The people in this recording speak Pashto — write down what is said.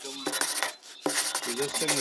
دی قرنطین دی په حجره کي،